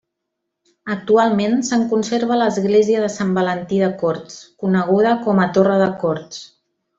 Actualment se'n conserva l'església de Sant Valentí de Corts, coneguda com a Torre de Corts.